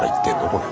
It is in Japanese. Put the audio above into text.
これ。